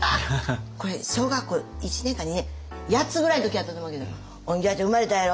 これ小学校１年か２年８つぐらいの時やったと思うけど「オンギャー！って生まれたやろ。